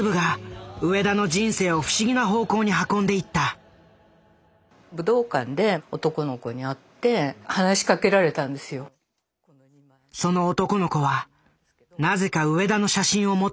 その男の子はなぜか上田の写真を持っていた。